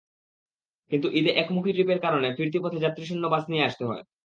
কিন্তু ঈদে একমুখী ট্রিপের কারণে ফিরতি পথে যাত্রীশূন্য বাস নিয়ে আসতে হয়।